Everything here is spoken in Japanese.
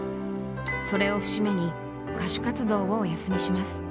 それを節目に歌手活動をお休みします。